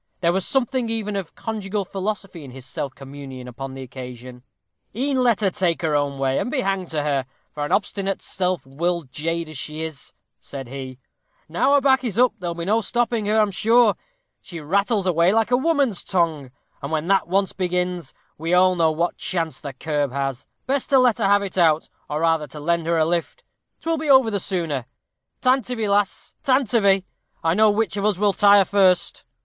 There was something even of conjugal philosophy in his self communion upon the occasion. "E'en let her take her own way and be hanged to her, for an obstinate, self willed jade as she is," said he: "now her back is up there'll be no stopping her, I'm sure: she rattles away like a woman's tongue, and when that once begins, we all know what chance the curb has. Best to let her have it out, or rather to lend her a lift. 'Twill be over the sooner. Tantivy, lass! tantivy! I know which of us will tire first."